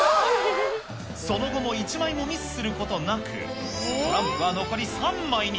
その後も１枚もミスすることなく、トランプは残り３枚に。